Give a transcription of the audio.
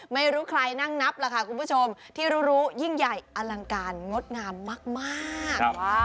ไม่รู้ใครนั่งนับล่ะค่ะคุณผู้ชมที่รู้ยิ่งใหญ่อลังการงดงามมาก